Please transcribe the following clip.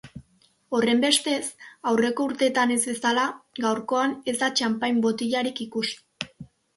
Horrenbestez, aurreko urteetan ez bezala, gaurkoan ez da txanpain botilarik ikusi.